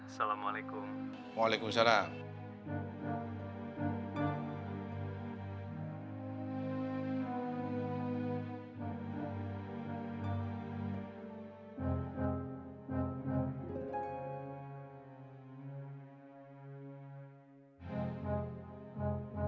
assalamualaikum walaikum salam